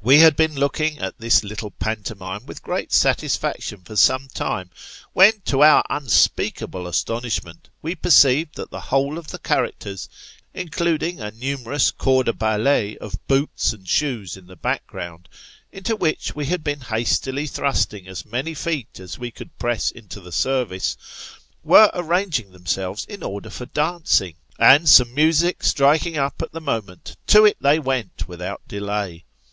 We had been looking on at this little pantomime with great satis faction for some time, when, to our unspeakable astonishment, we A rude Awakening. 59 perceived that the whole of the characters, including a numerous corps de ballet of boots and shoes in the background, into which we had been hastily thrusting as many feet as we could press into the service, were arranging themselves in order for dancing; and some music striking up at the moment, to it they went without delay.